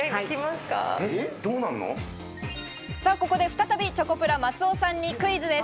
ここで再び、チョコプラ・松尾さんにクイズです。